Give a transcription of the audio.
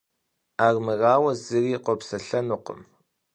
Армырауэ, зыри къопсэлъэнукъым.